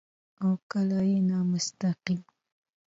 او کله يې نامستقيم